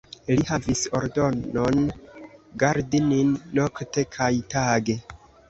Li havis ordonon, gardi nin nokte kaj tage.